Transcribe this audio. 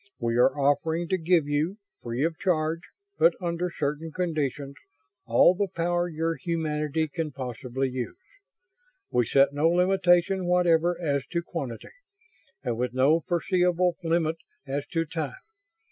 We are offering to give you; free of charge but under certain conditions, all the power your humanity can possibly use. We set no limitation whatever as to quantity and with no foreseeable limit as to time.